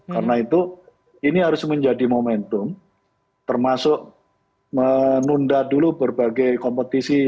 karena itu ini harus menjadi momentum termasuk menunda dulu berbagai kompetisi